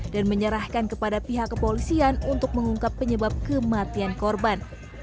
dan menyerahkan kepada pihak kepolisian untuk mengungkap penyebab kematian korban